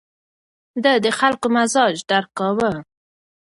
ده د خلکو مزاج درک کاوه.